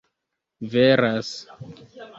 veras